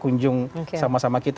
kunjung sama sama kita